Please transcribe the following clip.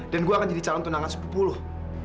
dan gue akan jadi calon tenangan sepupuluh